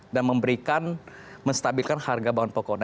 dan memberikan menstabilkan harga bahan pokok